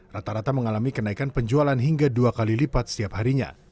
rata rata mengalami kenaikan penjualan hingga dua kali lipat setiap harinya